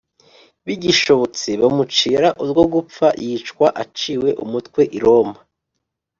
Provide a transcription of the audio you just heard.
bigishobotse, bamucira urwo gupfa yicwa aciwe umutwe i roma